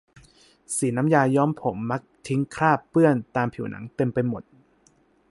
สีน้ำยาย้อมผมมักทิ้งคราบเปื้อนตามผิวหนังเต็มไปหมด